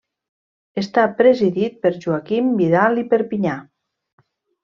Està presidit per Joaquim Vidal i Perpinyà.